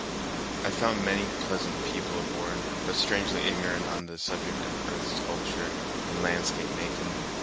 I found many pleasant people aboard, but strangely ignorant on the subject of earth sculpture and landscape making.